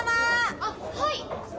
あっはい。